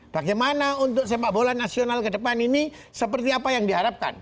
bagaimana untuk sepak bola nasional ke depan ini seperti apa yang diharapkan